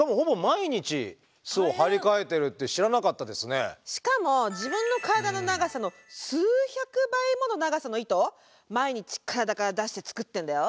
しかもしかも自分の体の長さの数百倍もの長さの糸を毎日体から出してつくってんだよ。